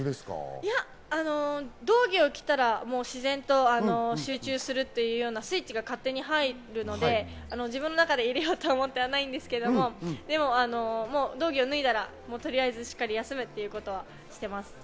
いや、道着を着たら自然と集中するというようなスイッチが勝手に入るので、自分の中で入れようと思ってないんですけど、道着を脱いだらとりあえずしっかり休むということはしています。